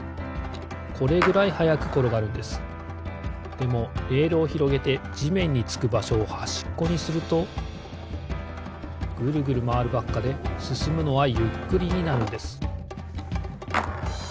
でもレールをひろげてじめんにつくばしょをはしっこにするとグルグルまわるばっかですすむのはゆっくりになるんです。